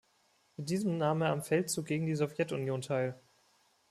Mit diesem nahm er am Feldzug gegen die Sowjetunion teil.